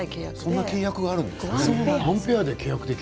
そんな契約があるんですね。